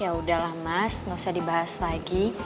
ya udahlah mas nggak usah dibahas lagi